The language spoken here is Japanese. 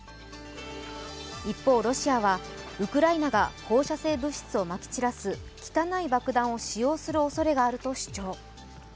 一方、ロシアは、ウクライナが放射性物質をまき散らす汚い爆弾を使用するおそれがあると主張。